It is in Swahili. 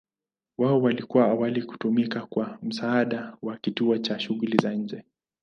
Wao walikuwa awali kutumika kwa msaada wa kituo cha shughuli za nje.